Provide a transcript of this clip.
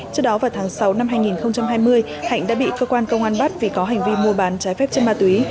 trước đó vào tháng sáu năm hai nghìn hai mươi hạnh đã bị cơ quan công an bắt vì có hành vi mua bán trái phép chất ma túy